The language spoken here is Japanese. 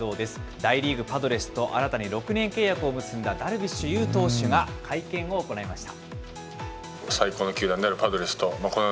大リーグ・パドレスと新たに６年契約を結んだダルビッシュ有投手が会見を行いました。